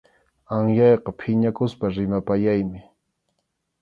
Anyayqa phiñakuspa rimapayaymi.